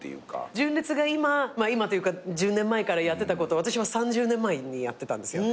純烈が今今というか１０年前からやってたことを私は３０年前にやってたんですよ。